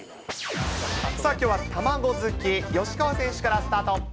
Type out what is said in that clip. さあ、きょうは卵好き、吉川選手からスタート。